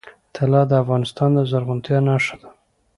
طلا د افغانستان د زرغونتیا نښه ده.